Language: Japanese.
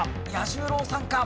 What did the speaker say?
彌十郎さんか？